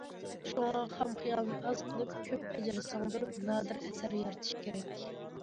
شۇڭا، خام خىيالنى ئاز قىلىپ، كۆپ ئەجىر سىڭدۈرۈپ، نادىر ئەسەر يارىتىش كېرەك.